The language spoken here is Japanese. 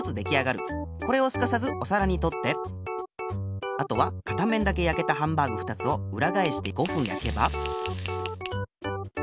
これをすかさずおさらにとってあとは片面だけやけたハンバーグ２つをうらがえして５ふんやけば。